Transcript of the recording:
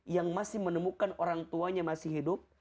yang masih menemukan orang tuanya masih hidup